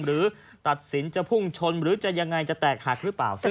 หรือตัดสินจะพุ่งชนหรือจะยังไงจะแตกหักหรือเปล่า